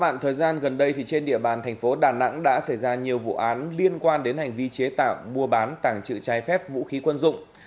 thời gian gần đây trên địa bàn thành phố đà nẵng đã xảy ra nhiều vụ án liên quan đến hành vi chế tạo mua bán tàng trự trái phép vũ khí quân dụng